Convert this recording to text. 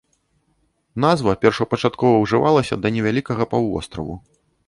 Назва першапачаткова ўжывалася да невялікага паўвостраву.